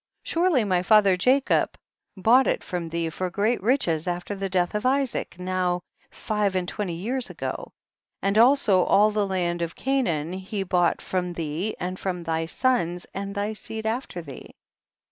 surely my father Jacob bought it from thee for great riches after the death of Isaac, now* five and twenty years ago, and also all the land of Canaan he bought from thee and from thy sons, and thy seed after thee.